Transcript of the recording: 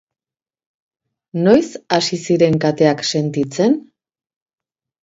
Noiz hasi zinen kateak sentitzen?